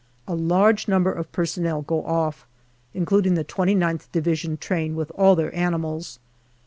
A large number of personnel go off, including the 2Qth Division Train with all their animals.